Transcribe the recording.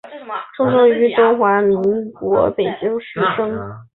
出生于中华民国北京市生。